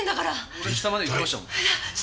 俺下まで行きましたもん。